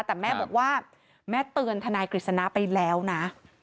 แต่แม่บอกว่าแม่เตือนทนายกฤษณะไปแล้วนะ